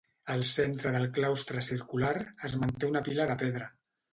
Al centre del claustre circular, es manté una pila de pedra.